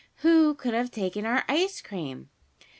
"Who could have taken our ice cream?"